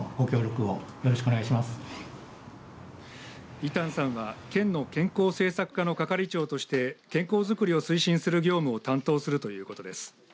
伊丹さんは県の健康政策課の係長として健康づくりを推進する業務を担当するということです。